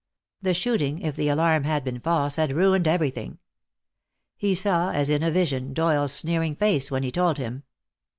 The shooting, if the alarm had been false, had ruined everything. He saw, as in a vision, Doyle's sneering face when he told him.